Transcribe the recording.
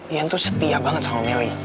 ian tuh setia banget sama melly